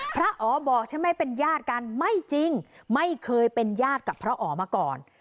พระอ๋อบอกใช่ไหมเป็นญาติกันไม่จริงไม่เคยเป็นญาติกับพระอ๋อมาก่อน